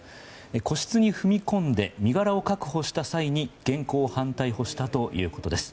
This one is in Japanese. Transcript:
個室に踏み込んで身柄を確保した際に現行犯逮捕したということです。